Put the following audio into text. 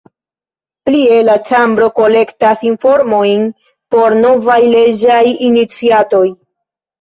Plie la Ĉambro kolektas informojn por novaj leĝaj iniciatoj.